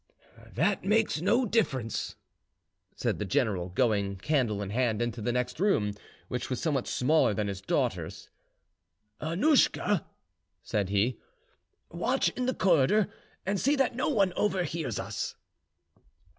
"That makes no difference," said the general, going candle in hand into the next room, which was somewhat smaller than his daughter's. "Annouschka," said he, "watch in the corridor and see that no one overhears us."